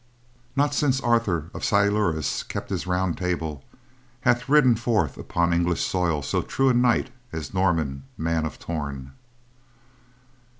Not since Arthur of Silures kept his round table hath ridden forth upon English soil so true a knight as Norman of Torn.